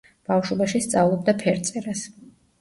ბავშვობაში სწავლობდა ფერწერას.